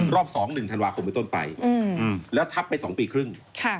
๒๑ธันวาคมไปต้นไปแล้วทับไป๒ปีครึ่ง